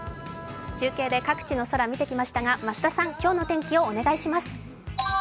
中継で各地の空見てきましたが増田さん、今日の天気をお願いします。